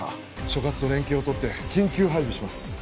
所轄と連携をとって緊急配備します